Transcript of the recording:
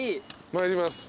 参ります。